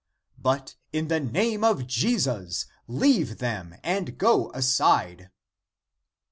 But in the name of Jesus, leave them and go aside!"